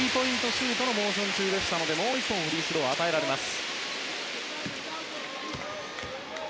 シュートのモーション中だったのでもう１本フリースローが与えられます。